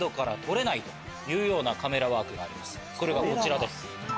それがこちらです。